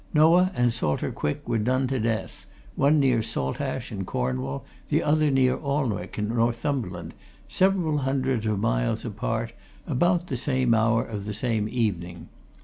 Noah and Salter Quick were done to death, one near Saltash, in Cornwall, the other near Alnwick, in Northumberland, several hundreds of miles apart, about the same hour of the same evening.